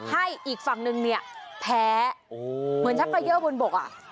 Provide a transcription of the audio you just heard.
ให้อีกฝั่งนึงเนี่ยแพ้เหมือนชักเกยอร์บนบกอ่ะ